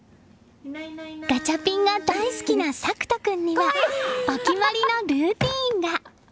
ガチャピンが大好きな咲翔君にはお決まりのルーティンが。